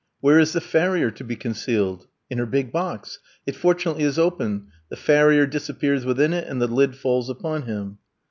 Where is the farrier to be concealed? In her big box. It fortunately is open. The farrier disappears within it and the lid falls upon him.